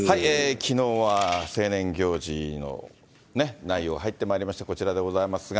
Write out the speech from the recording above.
きのうは成年行事の内容入ってまいりました、こちらでございますが。